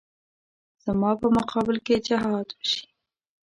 زما په مقابل کې جهاد وشي.